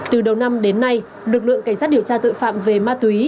từ đầu năm đến nay lực lượng cảnh sát điều tra tội phạm về ma túy